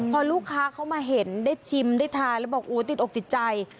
พอลูกค้าเขามาเห็นได้ชิมได้ทานแล้วบอกติดอกติดใจ